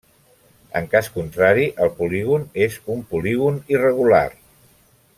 En cas contrari el polígon és un polígon irregular.